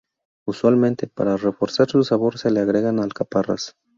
Usualmente, para reforzar su sabor, se le agregan alcaparras.